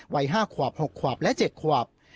วัย๕ขวบ๖ขวบและ๗ขวบ